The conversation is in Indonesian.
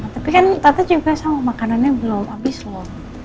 tapi kan tante juga sama makanannya belum habis lho